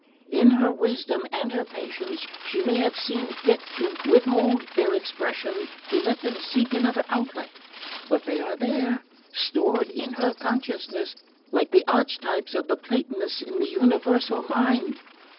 In her wisdom and her patience she may have seen fit to withhold their expression, to let them seek another outlet; but they are there, stored in her consciousness like the archetypes of the Platonists in the Universal Mind.